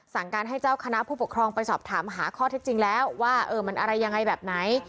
สั่งการให้เจ้าคณะผู้ปกครองไปสอบถามหาข้อเท็จจริงแล้วว่ามันอะไรยังไงแบบไหน